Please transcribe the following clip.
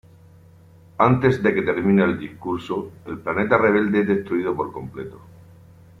Antes de que termine el discurso, el planeta rebelde es destruido por completo.